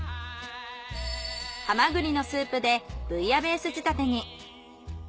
ハマグリのスープでブイヤベース仕立てに。